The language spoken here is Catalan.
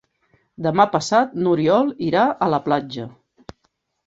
Demà passat n'Oriol irà a la platja.